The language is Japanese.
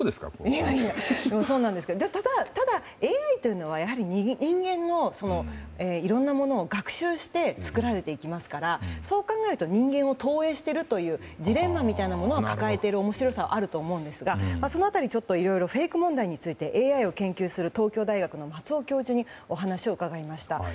ただ、ＡＩというのは人間のいろんなものを学習して作られていきますからそう考えると人間を投影しているというジレンマみたいなものを抱えている面白さもあると思いますがその辺りいろいろフェイク問題についてＡＩを研究する東京大学の松尾教授にお話を伺いました。